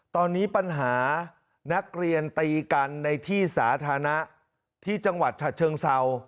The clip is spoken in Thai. ตอนนี้ปัญหานักเรียนตีกันในที่สาธารณะที่จังหวัดฉะเชิงเศร้า